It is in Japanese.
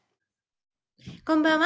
こんばんは。